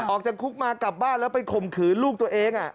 ออกจากคุกมากลับบ้านแล้วไปข่มขืนลูกตัวเอง